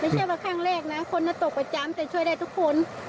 ไม่ใช่ว่าครั้งแรกนะคนตกประจำแต่ช่วยได้ทุกคน